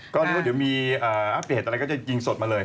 ก็นึกว่าเดี๋ยวมีอัปเดตอะไรก็จะยิงสดมาเลย